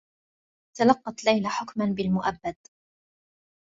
تلقّت ليلى حكما بالمؤبّد.